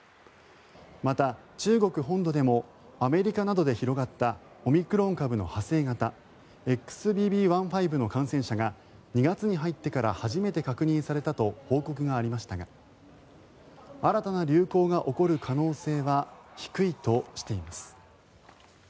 また、中国本土でもアメリカなどで広がったオミクロン株の派生型ＸＢＢ．１．５の感染者が２月に入ってから初めて確認されたと報告がありましたが新たな流行が起こる可能性は低いとしています。